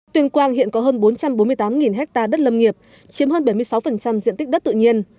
tuyên quang hiện có hơn bốn trăm bốn mươi tám ha đất lâm nghiệp chiếm hơn bảy mươi sáu diện tích đất tự nhiên